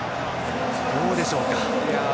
どうでしょうか？